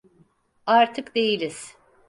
Artık değiliz.